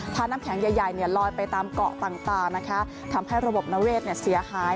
ถ้าน้ำแข็งใหญ่ลอยไปตามเกาะต่างนะคะทำให้ระบบนเวศเสียหาย